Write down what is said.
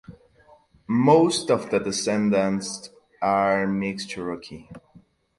Most of the descendants are mixed Cherokee.